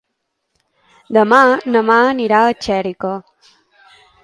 Demà na Mar anirà a Xèrica.